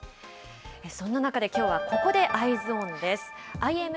そんな中できょうは、ここでＥｙｅｓｏｎです。